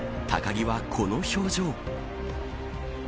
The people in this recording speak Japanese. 高木はこの表情。